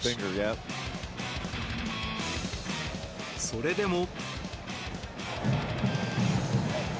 それでも。